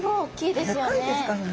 でかいですからね。